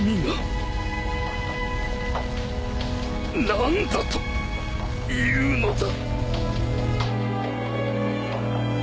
何だというのだ。